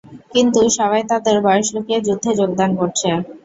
কিন্তু, সবাই তাদের বয়স লুকিয়ে যুদ্ধে যোগদান করছে!